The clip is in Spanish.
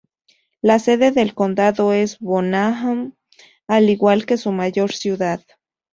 La sede del condado es Bonham, al igual que su mayor ciudad.